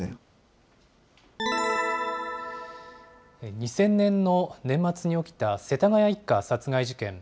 ２０００年の年末に起きた世田谷一家殺害事件。